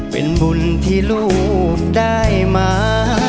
เป็นบุญที่ลูกได้มา